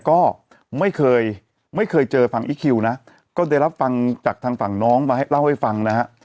ก็ไม่เคยไม่เคยเจอฝั่งอีคคิวนะก็ได้รับฟังจากทางฝั่งน้องมาให้เล่าให้ฟังนะฮะ